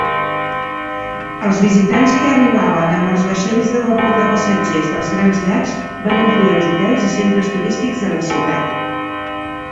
Els visitants que arribaven amb els vaixells de vapor de passatgers dels grans llacs van omplir els hotels i centres turístics de la ciutat.